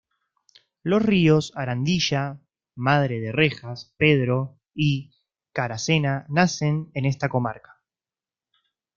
Los ríos Arandilla, Madre de Rejas, Pedro y Caracena nacen en esta comarca.